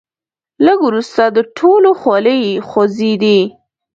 لږ وروسته د ټولو خولې خوځېدې.